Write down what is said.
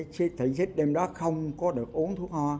thị trích đêm đó không có được uống thuốc ho